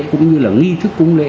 cũng như là nghi thức cúng lễ